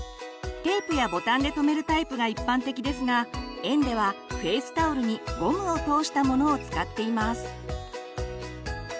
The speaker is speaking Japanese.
テープやボタンで留めるタイプが一般的ですが園ではフェイスタオルにゴムを通したものを使っています。